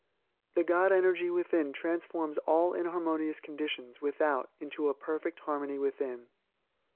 The God energy within transforms all inharmonious conditions without into a perfect harmony within.